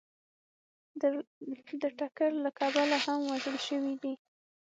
د ټکر له کبله هم وژل شوي دي